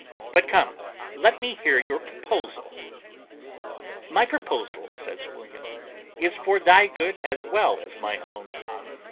But come, let me hear your proposal." "My proposal," says William, "is for thy good as well as my own.